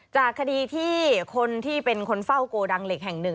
จากคดีที่คนที่เป็นคนเฝ้าโกดังเหล็กแห่งหนึ่ง